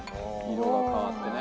色が変わってね。